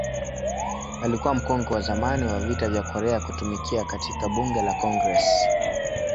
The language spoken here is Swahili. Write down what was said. Alikuwa mkongwe wa zamani wa Vita vya Korea kutumikia katika Bunge la Congress.